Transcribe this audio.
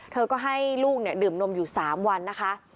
เธอก็ให้ลูกดื่มนมอยู่๓วันนะคะ